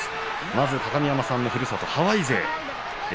まず高見山さんのふるさとハワイ勢。